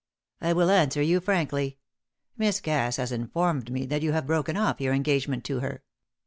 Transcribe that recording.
"I will answer you frankly. Miss Cass has informed me that you have broken off your engagement to her.